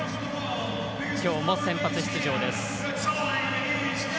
今日も先発出場です。